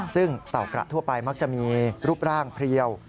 ซึ่งเต่ากระทั่วไปมักจะมีรูปร่างเพลียว